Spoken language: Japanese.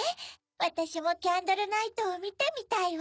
わたしもキャンドルナイトをみてみたいわ。